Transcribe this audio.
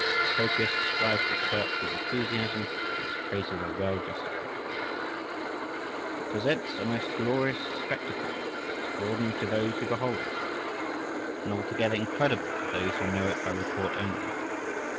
Procopius describes the church with enthusiasm, and his praises are well justified— "It presents a most glorious spectacle, extraordinary to those who behold it, and altogether incredible to those who know it by report only.